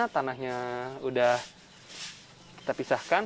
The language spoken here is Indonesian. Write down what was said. tanahnya udah kita pisahkan